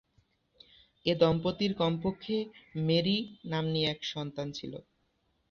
এ দম্পতির কমপক্ষে মেরি নাম্নী এক সন্তান ছিল।